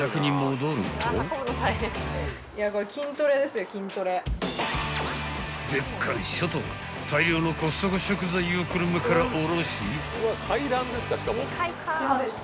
［よっこいしょと大量のコストコ食材を車から降ろし］